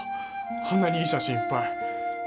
あんなにいい写真いっぱい